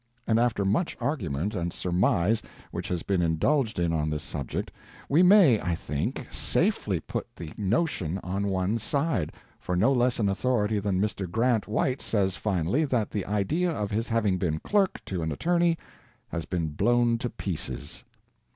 And after much argument and surmise which has been indulged in on this subject, we may, I think, safely put the notion on one side, for no less an authority than Mr. Grant White says finally that the idea of his having been clerk to an attorney has been "blown to pieces."